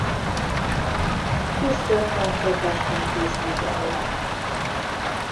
Küzdött a protestantizmus ellen.